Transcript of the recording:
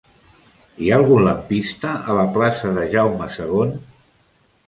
Hi ha algun lampista a la plaça de Jaume II?